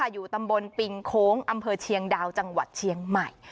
อยู่ตำบลปิงโค้งอำเภอเชียงดาวจังหวัดเชียงใหม่